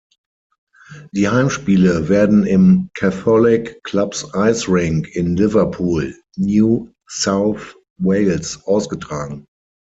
Die Heimspiele werden im "Catholic Club’s ice rink" in Liverpool, New South Wales ausgetragen.